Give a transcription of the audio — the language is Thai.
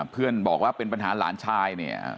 เพื่อนบอกว่าเป็นปัญหาหลานชายเนี่ย